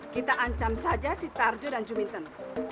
kita ancam saja si tarjo dan juminten